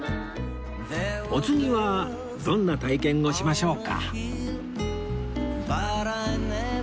お次はどんな体験をしましょうか？